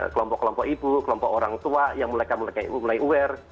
kelompok kelompok ibu kelompok orang tua yang mulai aware